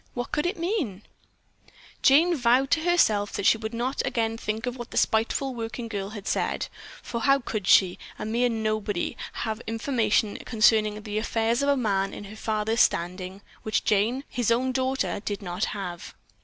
What could it mean?" Jane vowed to herself that she would not again think of what the spiteful working girl had said, for how could she, a mere nobody, have information concerning the affairs of a man of her father's standing, which Jane, his own daughter, did not have?